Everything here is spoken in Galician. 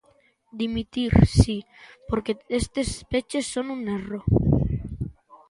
Dimitir, si, porque estes peches son un erro.